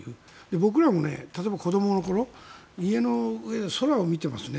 僕らも例えば、子どもの頃家の上で空を見てますね。